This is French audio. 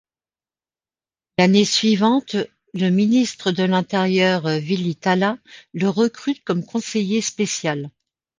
L'année suivante, le ministre de l'Intérieur Ville Itälä le recrute comme conseiller spécial.